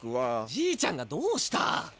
じいちゃんがどうした？